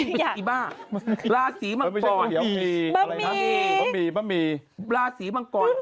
ไม่ใช่บ้าลาศรีมังกรบะหมี่บะหมี่ลาศรีมังกร